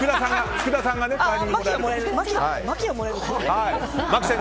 福田さんが代わりに。